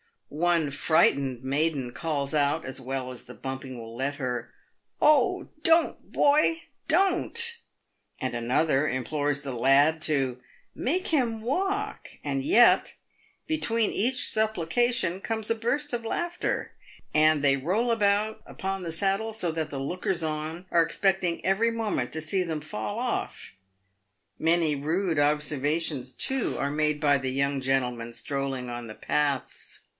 One frightened maiden calls out, as well as the bumping will let her, " Oh ! don't, boy, don't !" and another implores the lad to " make him walk," and yet, between each supplication, comes a burst of laughter ; and they roll about upon the saddle so that the lookers on are expect ing every moment to see them fall off. Many rude observations, too, are made by the young gentlemen strolling on the paths.